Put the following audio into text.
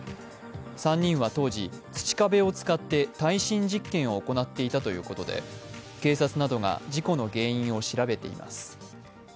３人は当時、土壁を使って耐震実験を行っていたということで、警察などが事故の原因を調べています。